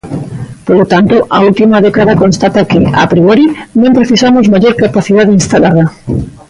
Polo tanto, a última década constata que, a priori, non precisamos maior capacidade instalada.